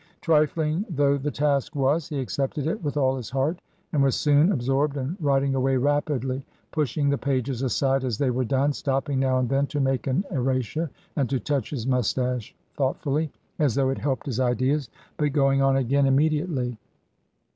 Trifling though the task was, he accepted it with all his heart, and was soon absorbed and writing away rapidly, pushing the pages aside as they were done, stopping now and then to make an erasure and to touch his moustache thoughtfully, as though it helped his ideas, but going on again imme 148 TRANSITION. diately.